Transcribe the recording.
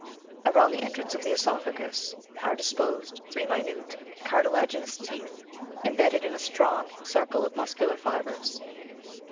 " Around the entrance of the oesophagus are disposed three minute cartilaginous teeth, imbedded in a strong cir cle of muscular fibres.